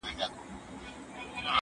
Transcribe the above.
زه بايد بشپړ وکړم!؟